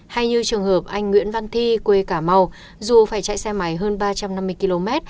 hay như trường hợp anh nguyễn văn thi quê cà mau dù phải chạy xe máy hơn ba trăm năm mươi km